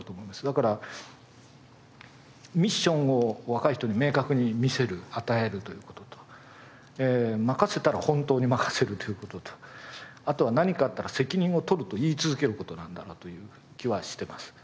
だからミッションを若い人に明確に見せる与えるという事と任せたら本当に任せるという事とあとは何かあったら責任を取ると言い続ける事なんだなという気はしています。